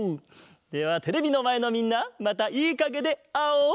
ではテレビのまえのみんなまたいいかげであおう！